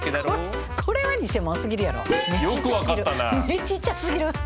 目ちっちゃすぎる。